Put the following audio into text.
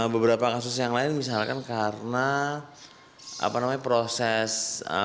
beberapa kasus yang lain misalkan karena proses